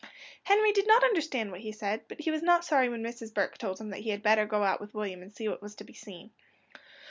Henry did not understand what he said, but he was not sorry when Mrs. Burke told him that he had better go out with William and see what was to be seen.